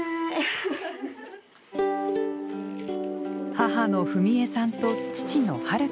母の史恵さんと父の晴樹さん。